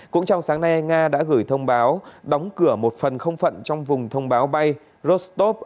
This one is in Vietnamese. cũng trong sáng nay nga đã gửi thông báo đóng cửa một phần không phận trong vùng thông báo bay rostop